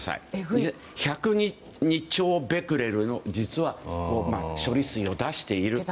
実は、１０２兆ベクレルの処理水を出している。